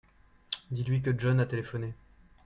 Dites-lui que John a téléphoné.